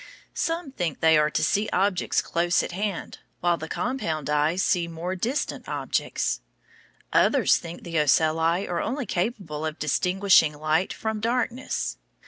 Some think they are to see objects close at hand, while the compound eyes see more distant objects. Others think the ocelli are only capable of distinguishing light from darkness.